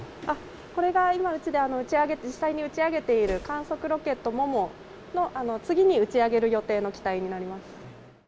これが今うちで、実際に打ち上げている観測ロケット、モモの次に打ち上げる予定の機体になります。